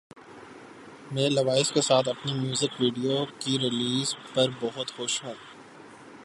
میں لیوائز کے ساتھ اپنی میوزک ویڈیو کی ریلیز پر بہت خوش ہوں